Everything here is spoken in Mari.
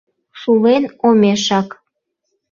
Шулен омешак